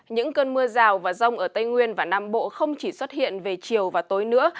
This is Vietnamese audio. những cơn mưa rào và rông ở tây nguyên và nam bộ không chỉ xuất hiện về chiều và tối nữa